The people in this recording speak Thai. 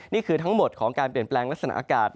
นี่คือทั้งหมดของการเปลี่ยนแปลงลักษณะอากาศ